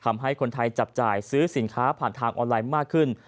ทำให้คนไทยจับจ่ายซื้อสินค้าผ่านทางออนไลน์มากขึ้น